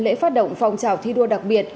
lễ phát động phòng trào thi đua đặc biệt